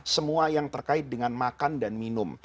semua yang terkait dengan makan dan minum